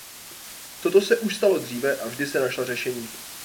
Toto se už stalo dříve a vždy se našla řešení.